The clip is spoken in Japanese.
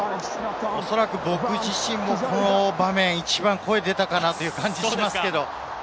僕自身もこの場面、一番声が出たかなという感じがしますけれど。